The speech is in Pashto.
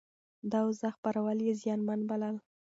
د اوازو خپرول يې زيانمن بلل.